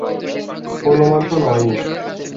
হনুমান তো নয়ই।